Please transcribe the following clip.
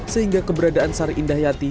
sehingga keberadaan sari indah yati